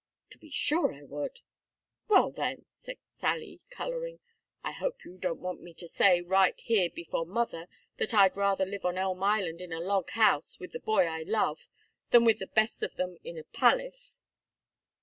"To be sure I would." "Well, then," said Sally, coloring, "I hope you don't want me to say, right here before mother, that I'd rather live on Elm Island, in a log house, with the boy I love, than with the best of them in a palace.